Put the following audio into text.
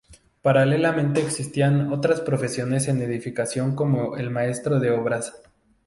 Paralelamente existían otras profesiones en edificación como el maestro de obras.